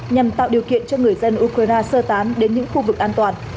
nhằm tạo điều kiện cho người dân ukraine sơ tán đến những khu vực an toàn